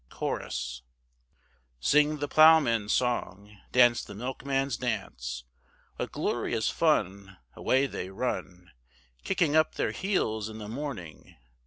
CHORUS. Sing the ploughboy's song, Dance the milkman's dance, What glorious fun, away they run, Kicking up their heels in the morning.